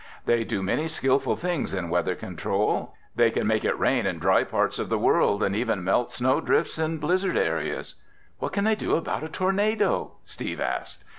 They do many skillful things in Weather Control. They can make it rain in dry parts of the world and even melt snow drifts in blizzard areas." "What can they do about a tornado?" Steve asked.